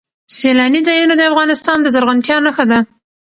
سیلانی ځایونه د افغانستان د زرغونتیا نښه ده.